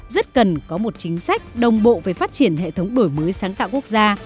rất cần có một chính sách đồng bộ về phát triển hệ thống đổi mới sáng tạo quốc gia